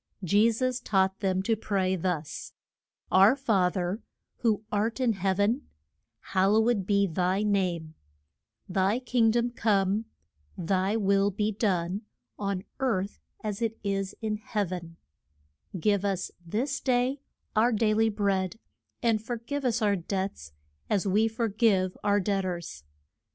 Je sus taught them to pray thus: Our Fa ther, who art in heav en, Hal low ed be thy name, Thy king dom come, Thy will be done on earth as it is in heav en, Give us this day our dai ly bread, and for give us our debts as we for give our debt ors.